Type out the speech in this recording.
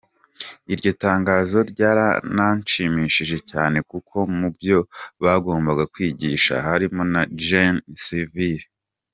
Iryo tangazo ryaranshimishije cyane kuko mubyo bagombaga kwigisha harimo na Génie Civil.